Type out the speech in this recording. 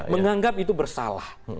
menganggap itu bersalah